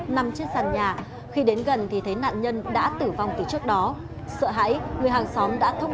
nằm trên sàn nhà khi đến gần thì thấy nạn nhân đã tử vong từ trước đó sợ hãi người hàng xóm đã thông